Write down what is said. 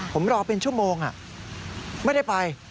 ผมรอเป็นชั่วโมงไม่ได้ไป